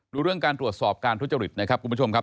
เรื่องการตรวจสอบการทุจริตนะครับคุณผู้ชมครับ